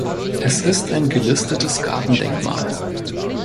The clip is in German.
Es ist ein gelistetes Gartendenkmal.